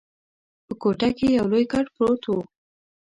په کوټه کي یو لوی کټ پروت وو.